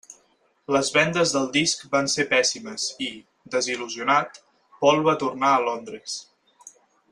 Les vendes del disc van ser pèssimes i, desil·lusionat, Paul va tornar a Londres.